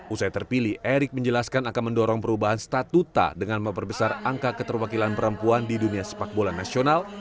usai terpilih erick menjelaskan akan mendorong perubahan statuta dengan memperbesar angka keterwakilan perempuan di dunia sepak bola nasional